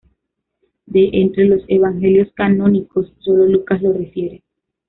De entre los evangelios canónicos sólo Lucas lo refiere.